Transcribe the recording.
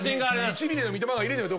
１ｍｍの三笘がいるのよ